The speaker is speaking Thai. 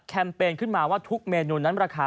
เปญขึ้นมาว่าทุกเมนูนั้นราคา